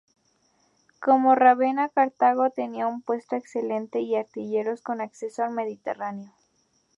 Como Rávena, Cartago tenía un puerto excelente y astilleros con acceso al Mediterráneo.